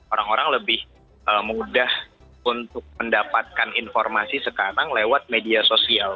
orang orang lebih mudah untuk mendapatkan informasi sekarang lewat media sosial